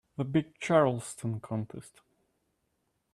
The big Charleston contest.